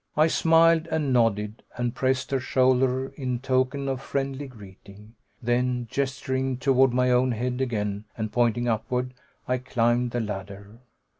I smiled and nodded, and pressed her shoulder in token of friendly greeting. Then, gesturing toward my own head again, and pointing upward. I climbed the ladder.